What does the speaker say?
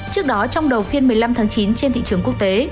trước đó trong đầu phiên một mươi năm tháng chín trên thị trường quốc tế